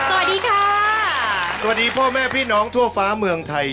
สวัสดีพ่อแม่พี่น้องทั่วฟ้าเมืองไทย